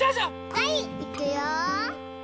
はいいくよ。